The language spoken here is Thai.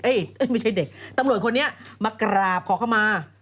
ไม่ใช่เด็กตำรวจคนนี้มากราบขอเข้ามา